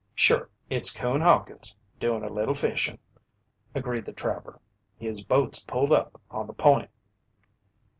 "Sure, it's Coon Hawkins doin' a little fishin'," agreed the trapper. "His boat's pulled up on the point."